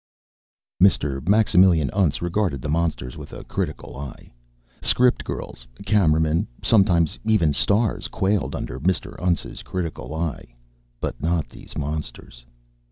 Mr. Maximilian Untz regarded the monsters with a critical eye. Script girls, cameramen, sometimes even stars quailed under Mr. Untz's critical eye but not these monsters.